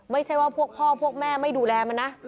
ไม่ใช่ว่าพวกพ่อพวกแม่ไม่ดูแลมันนะ